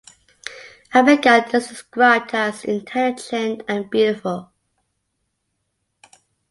Abigail is described as intelligent and beautiful.